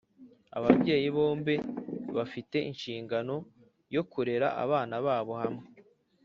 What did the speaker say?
ababyeyi bombi bafite inshingano yo kurerera abana babo hamwe,